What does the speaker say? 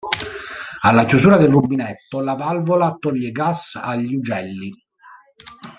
Alla chiusura del rubinetto, la valvola toglie gas agli ugelli.